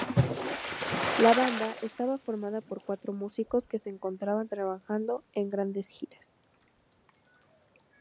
La banda estaba formada por cuatro músicos que se encontraban trabajando en grandes giras.